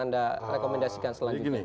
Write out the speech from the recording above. anda rekomendasikan selanjutnya